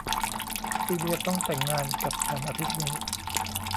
ซีเลียต้องแต่งงานกับฉันอาทิตย์นี้